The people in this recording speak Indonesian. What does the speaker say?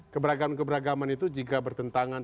keberagaman keberagaman itu jika bertentangan